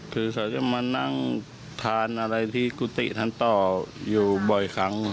คือเขาจะมานั่งทานอะไรที่กุฏิท่านต่ออยู่บ่อยครั้ง